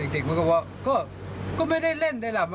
เด็กบอกว่าก็ไม่ได้เล่นได้ล่ะ